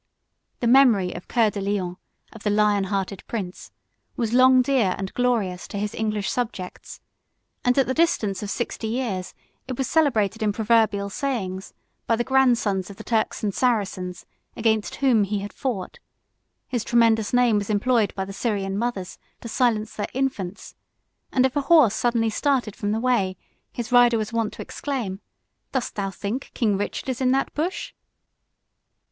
The memory of Cur de Lion, of the lion hearted prince, was long dear and glorious to his English subjects; and, at the distance of sixty years, it was celebrated in proverbial sayings by the grandsons of the Turks and Saracens, against whom he had fought: his tremendous name was employed by the Syrian mothers to silence their infants; and if a horse suddenly started from the way, his rider was wont to exclaim, "Dost thou think King Richard is in that bush?"